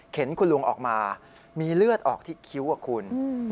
เห็นคุณลุงออกมามีเลือดออกที่คิ้วคุณ